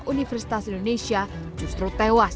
universitas indonesia justru tewas